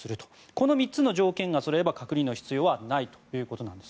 この３つの条件がそろえば隔離の必要はないということです。